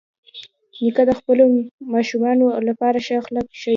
نیکه د خپلو ماشومانو لپاره ښه اخلاق ښيي.